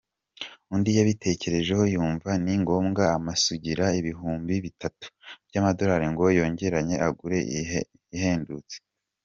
Undi yabitekerejeho yumva ni ngombwa amusigira ibihumbi bitatu by’amadolari ngo yongeranye agure ihendutse”.